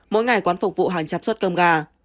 mỗi ngày quán phục vụ hàng trăm suất cơm gà